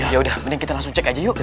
ya udah kita cek aja yuk